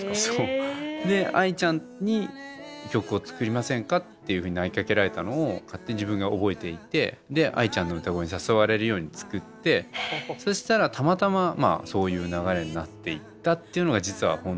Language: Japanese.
でＡＩちゃんに曲を作りませんかっていうふうに投げかけられたのを勝手に自分が覚えていてＡＩちゃんの歌声に誘われるように作ってそしたらたまたまそういう流れになっていったっていうのが実は本当のところで。